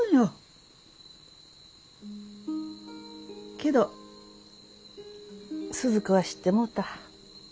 けどスズ子は知ってもうた。